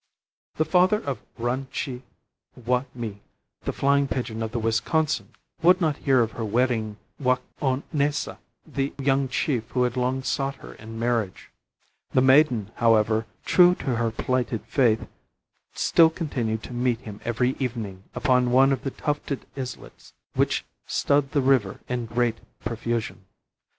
The father of Ran che wai me, the flying pigeon of the Wisconsin, would not hear of her wedding Wai o naisa, the young chief who had long sought her in marriage. The maiden, however, true to her plighted faith, still continued to meet him every evening upon one of the tufted islets which stud the river in great profusion.